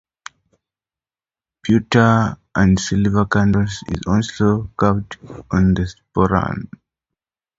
Pewter or silver cantle is also carved on the sporran.